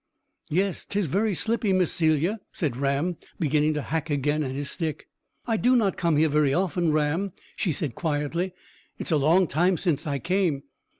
"Yes, 'tis very slippy, Miss Celia," said Ram, beginning to hack again at his stick. "I do not come here very often, Ram," she said, quietly. "It is a long time since I came."